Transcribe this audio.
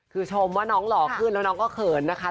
คือชมว่าน้องหล่อขึ้นแล้วน้องก็เขินนะคะ